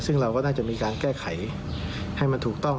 ซึ่งเราก็น่าจะมีการแก้ไขให้มันถูกต้อง